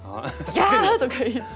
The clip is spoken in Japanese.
ギャーとか言って。